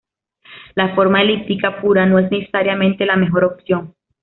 La forma elíptica pura no es, necesariamente, la mejor opción.